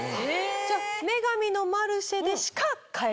じゃあ『女神のマルシェ』でしか買えない？